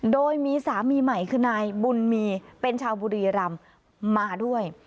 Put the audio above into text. โดยมีสามีใหม่คือนายบุญมีเป็นชาวบุรีรำมาด้วย